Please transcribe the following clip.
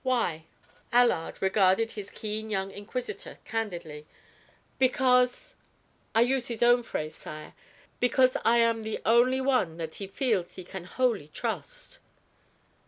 Why?" Allard regarded his keen young inquisitor candidly. "Because I use his own phrase, sire because I am the only one that he feels he can wholly trust."